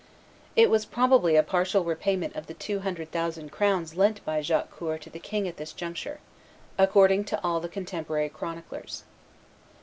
It was probably a partial repayment of the two hundred thousand crowns lent by Jacques Coeur to the king at this juncture, according to all the contemporary chroniclers.